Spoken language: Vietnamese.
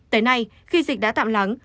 tới nay khi dịch đã tạm lắng